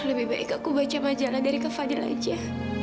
lebih baik aku baca majalah dari ke fadil aja